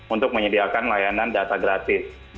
untuk menyediakan layanan data gratis